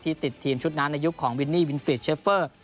ที่ติดทีมชุดน้านอายุของวินี่วินฟรีจเฉพเฟอร์